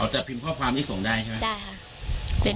อ๋อแต่พิมพ์ข้อความที่ส่งได้ใช่ไหม